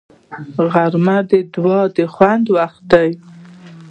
غرمه د دعا د خوند وخت دی